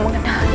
masai kata adan